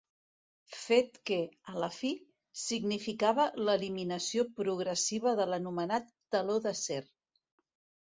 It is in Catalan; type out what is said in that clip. Fet que, a la fi, significava l'eliminació progressiva de l'anomenat “teló d'acer”.